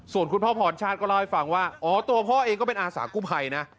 ส่วนคุณพ่อพรชาติก็เล่าให้ฟังว่าอ๋อตัวพ่อเองก็เป็นอาสากู้ภัยนะ